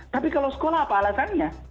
tapi kalau sekolah apa alasannya